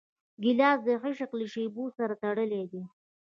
ګیلاس د عشق له شېبو سره تړلی دی.